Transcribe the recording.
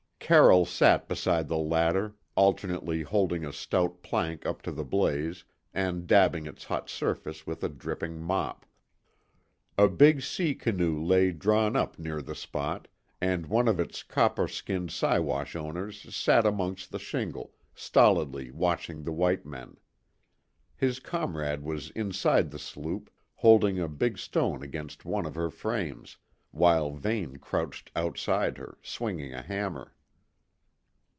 Carroll sat beside the latter, alternately holding a stout plank up to the blaze and dabbing its hot surface with a dripping mop. A big sea canoe lay drawn up near the spot, and one of its copper skinned Siwash owners sat amongst the shingle, stolidly watching the white men. His comrade was inside the sloop, holding a big stone against one of her frames, while Vane crouched outside her, swinging a hammer.